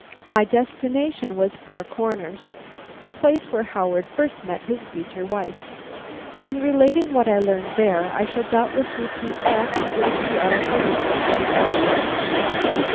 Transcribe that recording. "My destination was Four Corners, the place where Howard first met his future wife. In relating what I learned there, I shall doubtless repeat facts with which you are acquainted, Miss Butterworth."